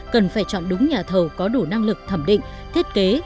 cần phải chọn đúng nhà thầu có đủ năng lực thẩm định thiết kế